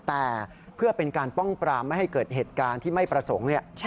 แต่เพื่อเป็นการป้องปรามไม่ให้เกิดเหตุการณ์ที่ไม่ประสงค์